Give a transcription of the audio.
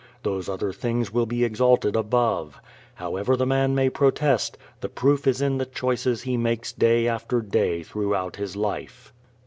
Those other things will be exalted above. However the man may protest, the proof is in the choices he makes day after day throughout his life.